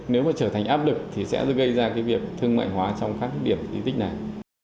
nếu mà trở thành áp lực thì sẽ gây ra cái việc thương mại hóa trong các điểm di tích này